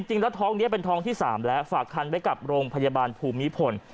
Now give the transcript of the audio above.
จริงแล้วท้องนี้เป็นท้องที่๓แล้วฝากคันไว้กับโรงพยาบาลภูมิพล